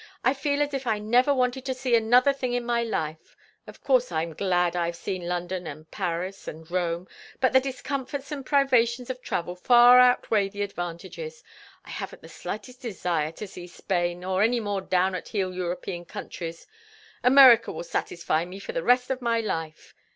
I feel as if I never wanted to see another thing in my life. Of course I'm glad I've seen London and Paris and Rome, but the discomforts and privations of travel far outweigh the advantages. I haven't the slightest desire to see Spain, or any more down at the heel European countries; America will satisfy me for the rest of my life.